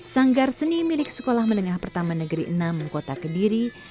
sanggar seni milik sekolah menengah pertama negeri enam kota kediri